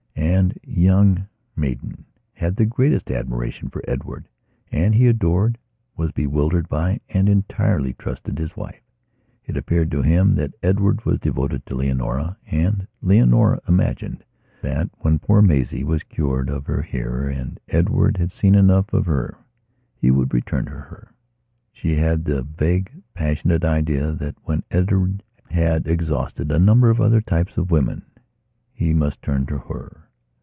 And young Maidan had the greatest admiration for Edward, and he adored, was bewildered by and entirely trusted his wife. It appeared to him that Edward was devoted to Leonora. And Leonora imagined that when poor Maisie was cured of her heart and Edward had seen enough of her, he would return to her. She had the vague, passionate idea that, when Edward had exhausted a number of other types of women he must turn to her.